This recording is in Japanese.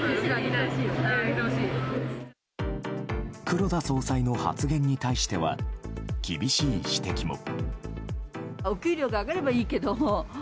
黒田総裁の発言に対しては厳しい指摘も。